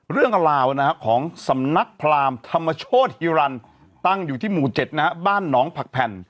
เรื่องราวนะฮะของสำนักพราหมณ์ธรรมโชษฮิรัณตั้งอยู่ที่หมู่เจ็ดนะฮะบ้านหนองผักแผ่น